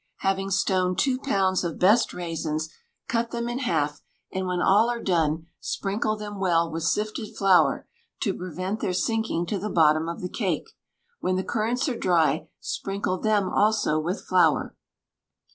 Having stoned two pounds of best raisins, cut them in half, and when all are done, sprinkle them well with sifted flour, to prevent their sinking to the bottom of the cake. When the currants are dry, sprinkle them also with flour.